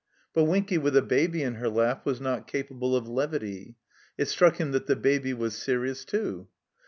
But Winky with a baby in her lap was not capable of levity. It struck him that the Baby was serious, too.